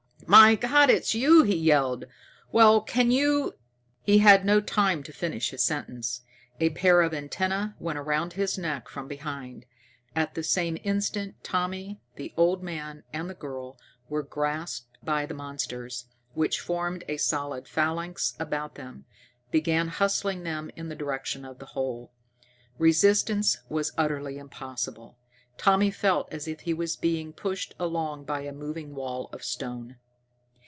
"My God, it's you!" he yelled. "Well, can you ?" He had no time to finish his sentence. A pair of antenna went round his neck from behind. At the same instant Tommy, the old man, and the girl were gripped by the monsters, which, forming a solid phalanx about them, began hustling them in the direction of the hole. Resistance was utterly impossible. Tommy felt as if he was being pushed along by a moving wall of stone.